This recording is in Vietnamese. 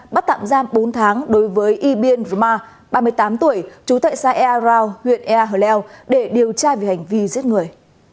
bắt tạm giam bốn tháng đối với yibin ruma ba mươi tám tuổi chú thợ xa ea rao huyện ea hờ leo để điều tra về hành vi giết người